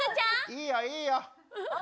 いいよいいよ。